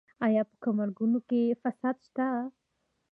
آیا په ګمرکونو کې فساد شته؟